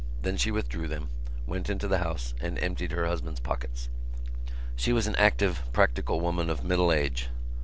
Then she withdrew them, went into the house and emptied her husband's pockets. She was an active, practical woman of middle age.